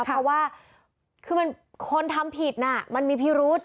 เพราะว่าคือคนทำผิดน่ะมันมีพิรุษ